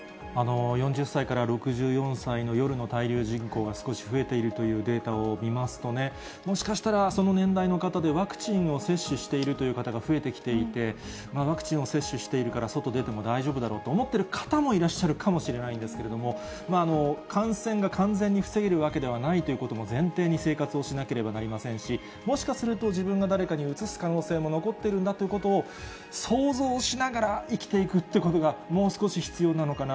４０歳から６４歳の夜の滞留人口が少し増えているというデータを見ますとね、もしかしたら、その年代の方で、ワクチンを接種しているという方が増えてきていて、ワクチンを接種しているから、外出ても大丈夫だろうと思ってる方もいらっしゃるかもしれないんですけれども、感染が完全に防げるわけではないということも前提に生活をしなければなりませんし、もしかすると、自分が誰かにうつす可能性も残っているんだということを想像しながら生きていくっていうことが、もう少し必要なのかな。